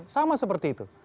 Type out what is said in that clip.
sama seperti itu